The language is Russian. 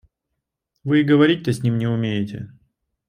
Вы и говорить-то с ним не умеете.